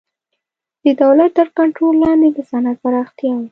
د دولت تر کنټرول لاندې د صنعت پراختیا و.